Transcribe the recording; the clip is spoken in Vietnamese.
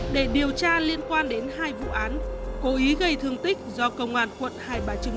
để điều tra liên quan đến hai vụ án cố ý gây thương tích do công an quận hai bà trưng